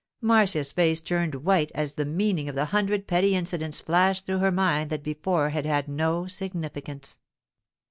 Marcia's face turned white as the meaning of a hundred petty incidents flashed through her mind that before had had no significance.